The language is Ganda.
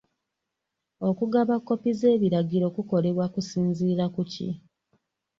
Okugaba kkopi z'ebiragiro kukolebwa kusinziira ku ki?